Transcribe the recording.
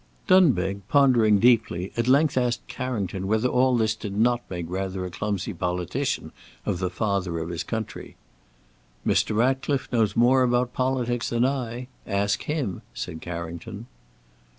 Dunbeg, pondering deeply, at length asked Carrington whether all this did not make rather a clumsy politician of the father of his country. "Mr. Ratcliffe knows more about politics than I. Ask him," said Carrington.